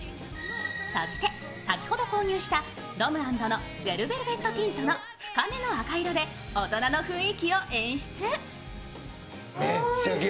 そして先ほど購入したｒｏｍ＆ｎｄのゼロベルベットティントで深めの赤色で大人の雰囲気を演出。